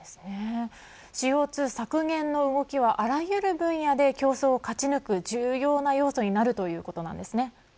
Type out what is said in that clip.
ＣＯ２削減の動きはあらゆる分野で競争を勝ち抜く重要な要素になるということなんですね。